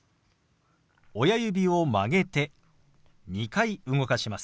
親指を曲げて２回動かします。